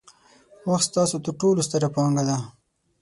وخت ستاسو ترټولو ستره پانګه ده.